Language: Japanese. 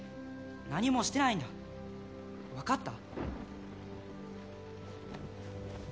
何もしてないんだ分かった？